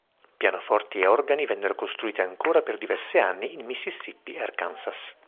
Pianoforti e organi vennero costruiti ancora per diversi anni in Mississippi e Arkansas.